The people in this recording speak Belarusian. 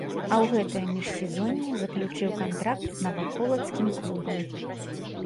А ў гэтае міжсезонне заключыў кантракт з наваполацкім клубам.